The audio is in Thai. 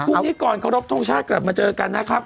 พรุ่งนี้ก่อนขอรบทรงชาติกลับมาเจอกันนะครับ